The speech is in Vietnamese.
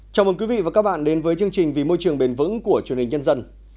chào mừng quý vị và các bạn đến với chương trình vì môi trường bền vững của truyền hình nhân dân